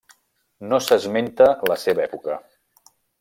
No s'esmenta la seva època.